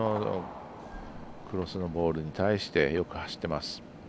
クロスのボールに対してよく走っています。